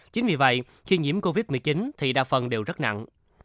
chính vì vậy khi nhiễm covid một mươi chín thì đa phần đều rất nặng